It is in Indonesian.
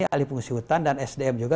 ahli fungsi hutan dan sdm juga